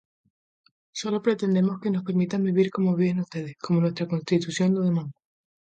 Solo pretendemos que nos permitan vivir como viven ustedes, como nuestra Constitución lo demanda".